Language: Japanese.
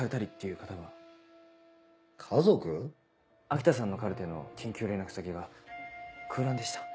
秋田さんのカルテの緊急連絡先が空欄でした。